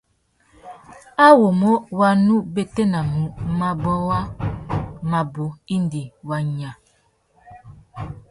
Awômô wa nu bétēnamú mabôwa mabú indi wa nya.